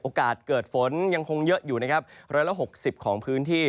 เกิดฝนยังคงเยอะอยู่นะครับ๑๖๐ของพื้นที่